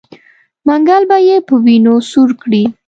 منګل به یې په وینو سور کړي.